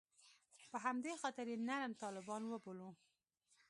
په همدې خاطر یې نرم طالبان وبولو.